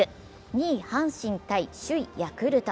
２位・阪神×首位・ヤクルト。